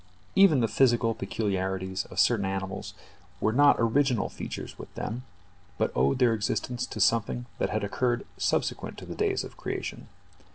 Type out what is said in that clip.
Even the physical peculiarities of certain animals were not original features with them, but owed their existence to something that occurred subsequent to the days of creation.